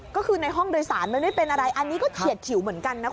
ก็คือในห้องโดยสารมันไม่เป็นอะไรอันนี้ก็เฉียดฉิวเหมือนกันนะคุณ